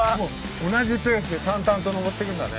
同じペースで淡々とのぼってくんだね。